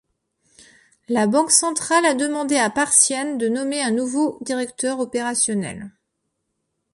La Banque centrale a demandé à Parsian de nommer un nouveau directeur opérationnel.